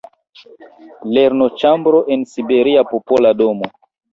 “Lernoĉambro en siberia Popola Domo.